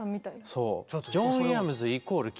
そう。